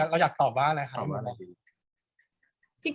เราอยากตอบว่าอะไรคะ